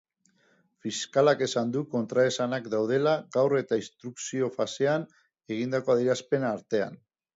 Fiskalak esan du kontraesanak daudela gaur eta instrukzio fasean egindako adierazpenen artean.